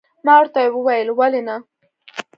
ما ورته وویل، ولې نه.